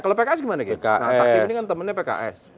kalau pks gimana gitu nah takdim ini kan temannya pks